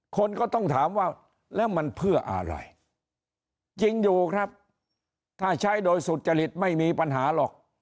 คนก็ต้องถามว่าแล้วมันเพื่ออะไรจริงอยู่ครับถ้าใช้โดยสุจริตไม่มีปัญหาหรอก